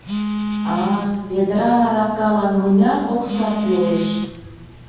А-а-а... ведра аракалан мыняр окса кӱлеш?